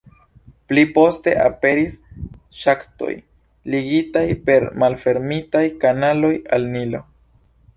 Pli poste aperis ŝaktoj, ligitaj per malfermitaj kanaloj al Nilo.